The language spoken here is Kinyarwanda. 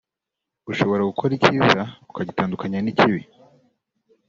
ushobora gukora icyiza ukagitandukanya n’ikibi